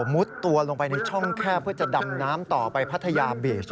มุดตัวลงไปในช่องแคบเพื่อจะดำน้ำต่อไปพัทยาบีช